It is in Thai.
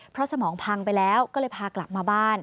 เพราะสมองพังไปแล้วก็เลยพากลับมาบ้าน